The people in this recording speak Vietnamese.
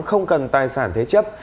không cần tài sản thế chấp